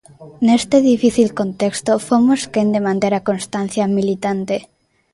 Neste difícil contexto, fomos quen de manter a constancia militante.